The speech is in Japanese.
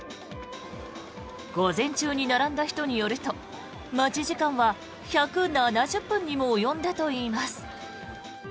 午前中に並んだ人によると待ち時間は１７０分にも及んだといいます。